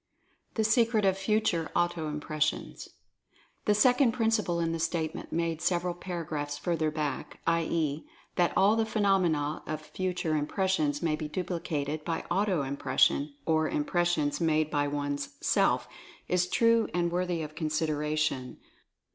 THE SECRET OF FUTURE AUTO IMPRESSIONS. The second principle in the statement made several paragraphs further back — i. e. } that all the phenomena of Future Impression may be duplicated by Auto Im 172 Mental Fascination pression, or Impressions made by one's self — is true and worthy of consideration.